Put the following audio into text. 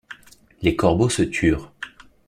Les corbeaux se turent.